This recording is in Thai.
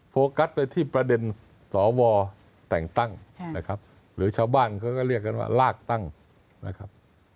โฟกัสไปที่ประเด็นสวแต่งตั้งนะครับหรือชาวบ้านเขาก็เรียกกันว่าลากตั้งนะครับ